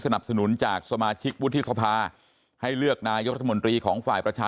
สนุนจากสมาชิกวุฒิสภาให้เลือกนายกรัฐมนตรีของฝ่ายประชา